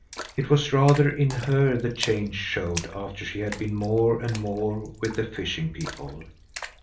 It was rather in her the change showed, after she had been more and more with the fishing people.